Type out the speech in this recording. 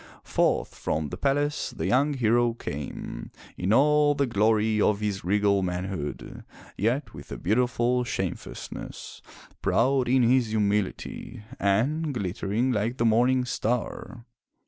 Forth from the palace the young hero came, 411 MY BOOK HOUSE in all the glory of his regal manhood, yet with a beautiful shame fastness, proud in his humility, and glittering like the morning star.